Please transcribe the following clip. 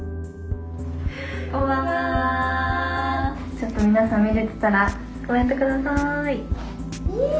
ちょっと皆さん見れてたらコメント下さい。